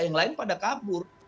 yang lain pada kabur